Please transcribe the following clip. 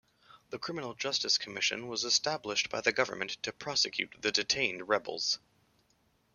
The Criminal Justice Commission was established by the government to prosecute the detained rebels.